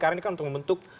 karena ini kan untuk membentuk